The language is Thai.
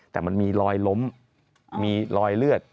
แต่มันมีรอยล้มมีรอยเลือด